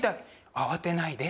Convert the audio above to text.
慌てないで。